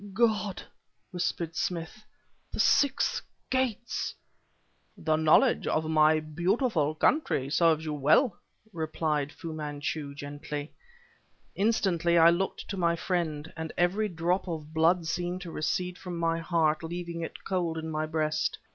"God!" whispered Smith "the Six Gates!" "The knowledge of my beautiful country serves you well," replied Fu Manchu gently. Instantly I looked to my friend... and every drop of blood seemed to recede from my heart, leaving it cold in my breast.